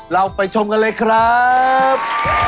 เราไปชมกันเลยครับ